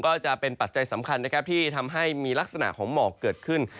ก็จะเป็นปัจจัยสำคัญนะครับที่ทำให้มีลักษณะของหมอกเกิดขึ้น